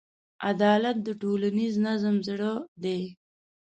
عدالت د ټولنیز نظم زړه دی.